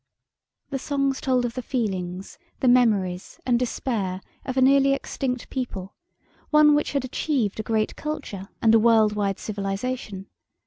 The songs told of the feelings, the memories, and despair of a nearly extinct people one which had achieved a great culture and a world wide civilization.